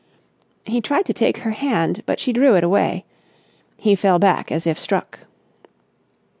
He tried to take her hand. But she drew it away. He fell back as if struck.